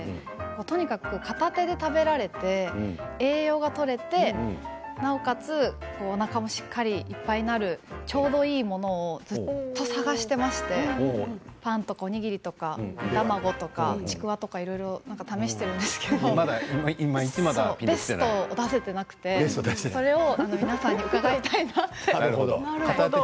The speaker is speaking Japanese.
とにかく片手で食べられて栄養がとれて、なおかつおなかもしっかりいっぱいになるちょうどいいものをずっと探していましてパンとか、おにぎりとか卵とかちくわとかいろいろ試しているんですけどベストを出していなくて皆さんに伺いたいなと。